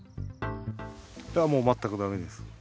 もう全くだめです。